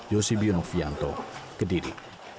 yosib yunufianto kediri